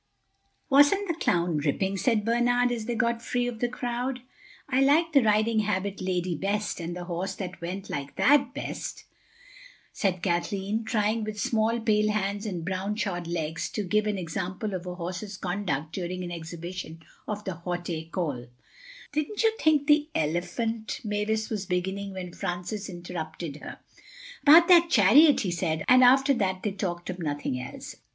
"Wasn't the clown ripping?" said Bernard, as they got free of the crowd. "I liked the riding habit lady best, and the horse that went like that, best," said Kathleen, trying with small pale hands and brown shod legs to give an example of a horse's conduct during an exhibition of the haute école. "Didn't you think the elephant—" Mavis was beginning, when Francis interrupted her. "About that chariot," he said, and after that they talked of nothing else.